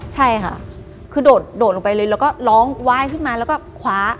ใช่ค่ะคือโดดลงไปเลยแล้วก็ร้องไหว้ขึ้นมาแล้วก็คว้า